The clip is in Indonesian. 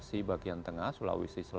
jadi kita bisa lihat bagaimana ini berhasil